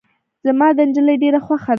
زما دا نجلی ډیره خوښه ده.